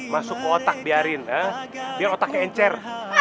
masuk ke otak biarin biar otaknya encer